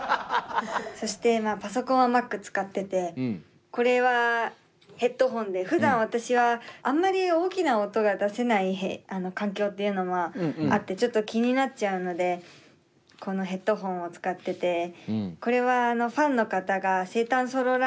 そしてパソコンはＭａｃ使っててこれはヘッドフォンでふだん私はあんまり大きな音が出せない環境っていうのもあってちょっと気になっちゃうのでこのヘッドフォンを使ってて。